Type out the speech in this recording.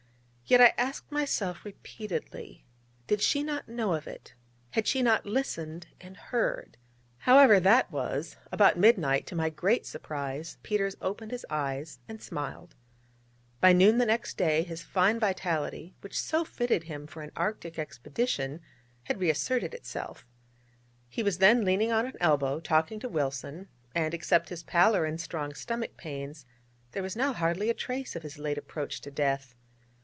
Yet I asked myself repeatedly: Did she not know of it? Had she not listened, and heard? However that was, about midnight, to my great surprise, Peters opened his eyes, and smiled. By noon the next day, his fine vitality, which so fitted him for an Arctic expedition, had re asserted itself. He was then leaning on an elbow, talking to Wilson, and except his pallor, and strong stomach pains, there was now hardly a trace of his late approach to death.